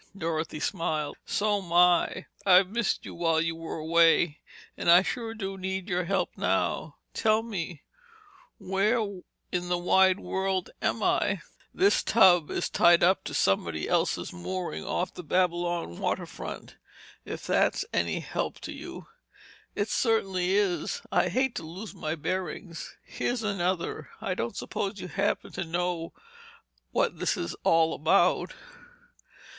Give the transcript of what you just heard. Dorothy smiled. "So 'm I. I've missed you while you were away, and I sure do need your help now. Tell me—where in the wide world am I?" "This tub is tied up to somebody else's mooring off the Babylon waterfront,—if that's any help to you." "It certainly is. I hate to lose my bearings. Here's another: I don't suppose you happen to know what this is all about?"